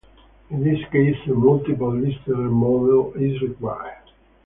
In these cases a multiple listener model is required.